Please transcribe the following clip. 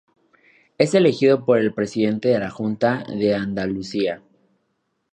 Es elegido por el presidente de la Junta de Andalucía.